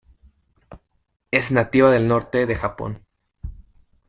Es nativa del norte de Japón.